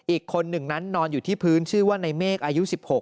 อีกคนหนึ่งนั้นนอนอยู่ที่พื้นชื่อว่าในเมฆอายุ๑๖